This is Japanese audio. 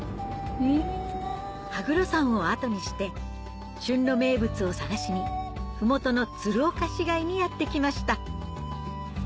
羽黒山を後にして旬の名物を探しに麓の鶴岡市街にやって来ました